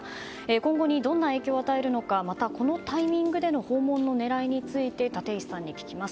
今後にどんな影響を与えるのかまた、このタイミングでの訪問の狙いについて立石さんに聞きます。